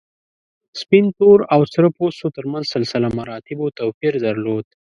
سپین، تور او سره پوستو تر منځ سلسله مراتبو توپیر درلود.